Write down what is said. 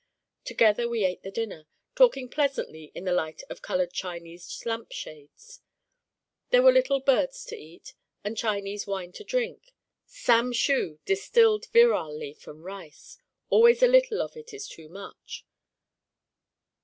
Together we ate the dinner, talking pleasantly in the light of colored Chinese lamp shades. There were little birds to eat and Chinese wine to drink sam shu distilled virilely from rice: always a little of it is too much.